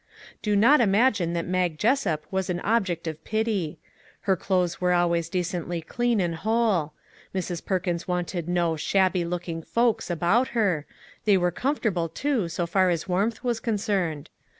Do not imagine that Mag Jessup was an object of pity. Her clothes were always de cently clean and whole; Mrs. Perkins wanted no " shabby looking folks " about her ; they were comfortable, too, so far as warmth was concerned.